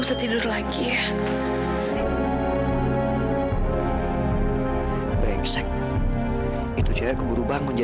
selamat tinggal amira